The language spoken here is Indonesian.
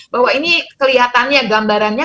bahwa ini kelihatannya gambarannya